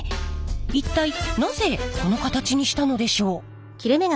一体なぜこの形にしたのでしょう。